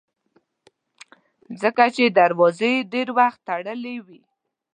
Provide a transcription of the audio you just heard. ځکه چې دروازې یې ډېر وخت تړلې وي.